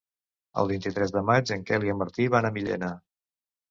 El vint-i-tres de maig en Quel i en Martí van a Millena.